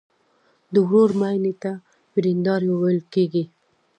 د ورور ماینې ته وریندار ویل کیږي.